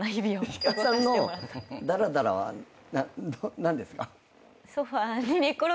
石川さんのダラダラは何ですか？